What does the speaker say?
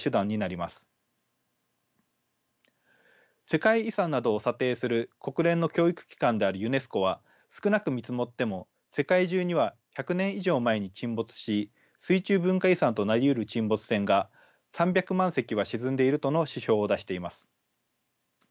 世界遺産などを査定する国連の教育機関であるユネスコは少なく見積もっても世界中には１００年以上前に沈没し水中文化遺産となりうる沈没船が３００万隻は沈んでいるとの指標を出しています。